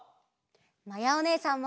まやおねえさんも！